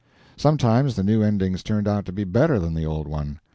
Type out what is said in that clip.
Sometimes the new endings turned out to be better than the old one.